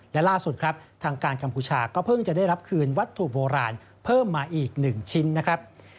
และล่าสุดครับทางการกัมพูชาก็เพิ่งจะได้รับคืนวัตถุโบราณเพิ่มมาอีก๑ชิ้นนะครับ